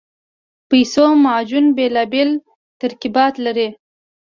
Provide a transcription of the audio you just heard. د پیسو معجون بېلابېل ترکیبات لري.